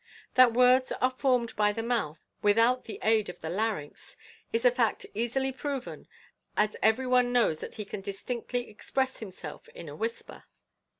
That words are formed by the mouth, without the aid of the larynx, is a fact easily proven, as every one knows that he can distinctly express himself in a whisper.